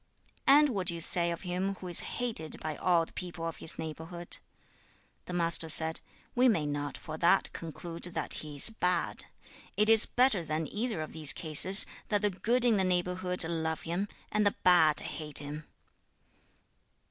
'And what do you say of him who is hated by all the people of his neighborhood?' The Master said, 'We may not for that conclude that he is bad. It is better than either of these cases that the good in the neighborhood love him, and the bad hate him.'